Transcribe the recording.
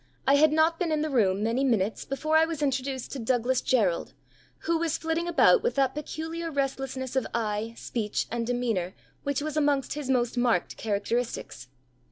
I had not been in the room many minutes before I was introduced to Douglas Jerrold, who was flitting about with that peculiar restlessness of eye, speech, and demeanour, which was amongst his most marked characteristics.